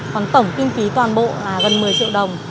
còn tổng kinh phí toàn bộ là gần một mươi triệu đồng